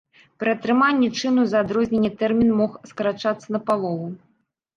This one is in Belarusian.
Пры атрыманні чыну за адрозненне тэрмін мог скарачацца напалову.